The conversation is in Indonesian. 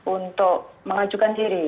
untuk mengajukan diri